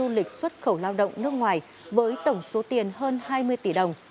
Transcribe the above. nga đã được xuất khẩu lao động nước ngoài với tổng số tiền hơn hai mươi tỷ đồng